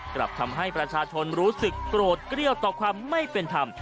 กลับทำให้ประชาชนรู้สึกโกรธเกลี้ยวต่อความไม่เป็นธรรม